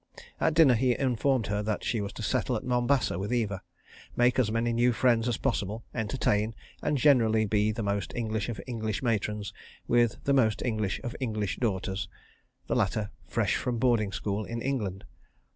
At dinner he informed her that she was to settle at Mombasa with Eva, make as many new friends as possible, entertain, and generally be the most English of English matrons with the most English of English daughters—the latter fresh from boarding school in England.